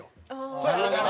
そうやな。